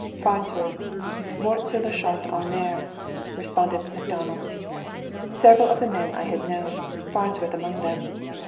'Farnsworth': 'Mort sur le champ d'honneur,' responded MacDonald. Several of the men I had known, Farnsworth among them.